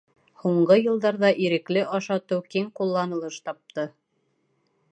Һуңғы йылдарҙа «ирекле» ашатыу киң ҡулланылыш тапты.